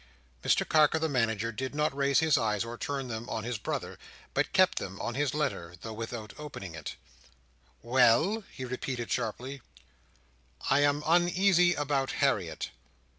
Mr Carker the Manager did not raise his eyes or turn them on his brother, but kept them on his letter, though without opening it. "Well?" he repeated sharply. "I am uneasy about Harriet."